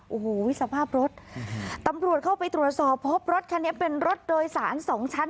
โอ้โหสภาพรถตำรวจเข้าไปตรวจสอบพบรถคันนี้เป็นรถโดยสารสองชั้น